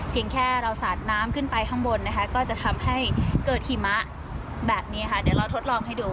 แค่เราสาดน้ำขึ้นไปข้างบนนะคะก็จะทำให้เกิดหิมะแบบนี้ค่ะเดี๋ยวเราทดลองให้ดู